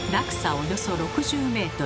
およそ６０ｍ。